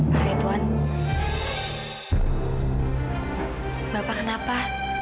pak rituan bapak kenapa